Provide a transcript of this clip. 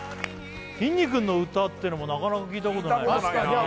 きんに君の歌ってのもなかなか聴いたことないいや